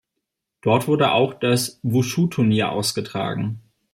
Dort wurde auch das Wushu Turnier ausgetragen.